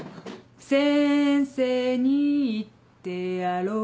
先生に言ってやろう